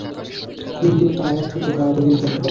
নিম্নোক্ত আয়াত থেকে তারা দলীল গ্রহণ করেন।